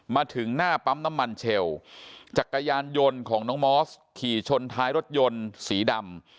มาถึงหน้าปั๊มน้ำมันเชลจักรยานยนต์ของน้องมอสขี่ชนท้ายรถยนต์สีดำ